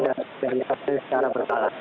dan proses secara berbalas